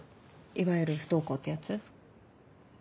いわゆる不登校ってやつ。